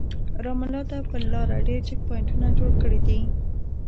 رام الله ته پر لاره ډېر چک پواینټونه جوړ کړي دي.